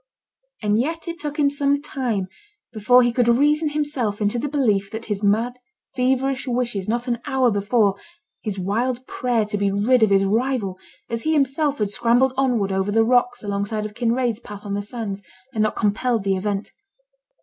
and yet it took him some time before he could reason himself into the belief that his mad, feverish wishes not an hour before his wild prayer to be rid of his rival, as he himself had scrambled onward over the rocks alongside of Kinraid's path on the sands had not compelled the event.